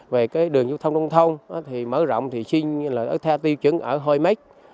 về đường giao thông nông thôn thì mở rộng thì xin theo tiêu chứng ở hội mách